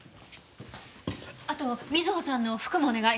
あと美津保さんの服もお願い。